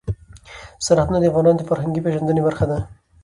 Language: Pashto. سرحدونه د افغانانو د فرهنګي پیژندنې برخه ده.